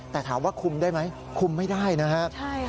แต่ถามว่าคุมได้ไหมคุมไม่ได้นะครับ